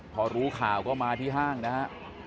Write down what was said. พอรู้ข่าวก็มาที่ห้างนะฮะ